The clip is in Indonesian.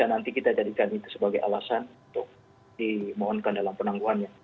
dan nanti kita jadikan itu sebagai alasan untuk dimohonkan dalam penangguannya